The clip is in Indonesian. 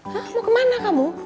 hah mau kemana kamu